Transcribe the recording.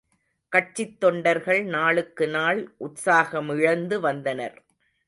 கட்சித் தொண்டர்கள் நாளுக்கு நாள் உற்சாகமிழந்து வந்தனர்.